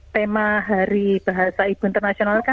tema hari bahasa ibu internasional